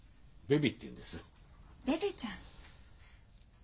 ベベちゃん。